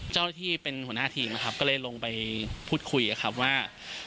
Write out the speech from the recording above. เจ้าหน้าที่เป็นหัวหน้าทีมนะครับก็เลยลงไปพูดคุยครับว่า